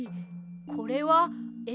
これはえ